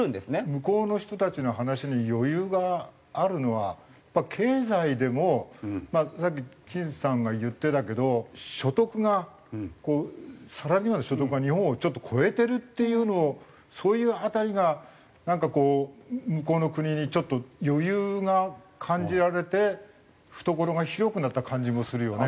向こうの人たちの話に余裕があるのは経済でもさっき金さんが言ってたけど所得がサラリーマンの所得が日本をちょっと超えてるっていうのをそういう辺りがなんかこう向こうの国にちょっと余裕が感じられて懐が広くなった感じもするよね。